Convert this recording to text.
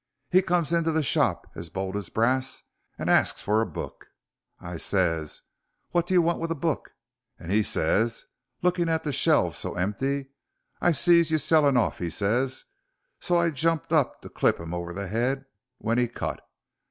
He come into the shop as bold as brass and arsked fur a book. I ses, 'What do you want with a book?' and he ses, looking at the shelves so empty, 'I sees your sellin' off,' he ses, so I jumped up to clip him over the 'ead, when he cut.